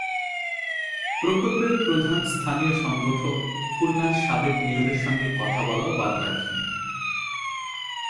প্রকল্পের প্রধান স্থানীয় সংগঠক খুলনার সাবেক মেয়রের সঙ্গে কথা বলাও বাদ রাখিনি।